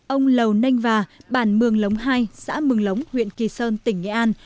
ông lầu nênh và bản mường lống hai xã mường lống huyện kỳ sơn tỉnh nghệ an